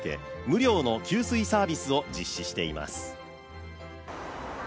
無料の給水サービスを実施しています。